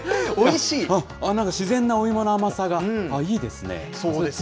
なんか自然のお芋の甘さがいいですね。